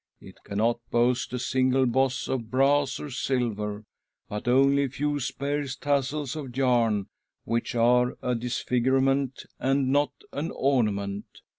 It cannot boast a single boss of brass or silver, but only a few sparse tassels of yarn, which are a disfigurement and not an ornament.